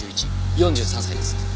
４３歳です。